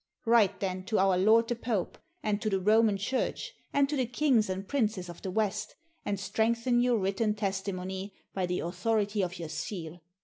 W^ite, then, to our lord the Pope and to the Roman Church, and to the kings and princes of the West, and strengthen your written testi mony by the authority of your seal.